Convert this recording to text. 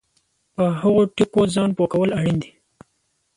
په هغو ټکو ځان پوه کول اړین دي